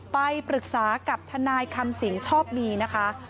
ไปปรึกษากับทนายคำสิงชอบมีนะคะ